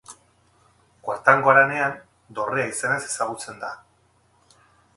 Kuartango Haranean Dorrea izenez ezagutzen da.